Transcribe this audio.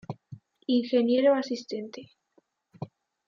Ingeniero asistente.